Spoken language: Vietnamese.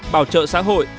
ba bảo trợ xã hội